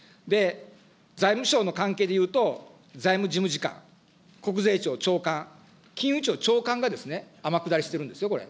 財務省の関係でいうと、財務事務次官、国税庁長官、金融庁長官が天下りしてるんですよ、これ。